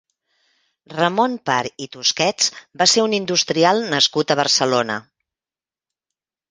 Ramon Par i Tusquets va ser un industrial nascut a Barcelona.